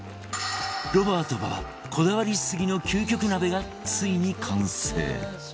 ロバート馬場こだわりすぎの究極鍋がついに完成